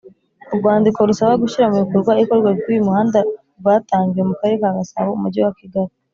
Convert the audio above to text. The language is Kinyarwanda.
urwandiko rusaba gushyira mubikorwa ikorwa ry’uyu muhanda rwatangiwe mu Karere ka Gasabo Umujyi wa Kigali.